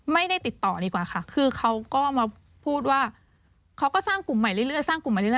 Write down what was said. ไม่ได้ติดต่อดีกว่าค่ะคือเขาก็มาพูดว่าเขาก็สร้างกลุ่มใหม่เรื่อย